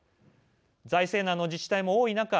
財政難の自治体も多い中